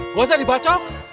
gak usah dibacok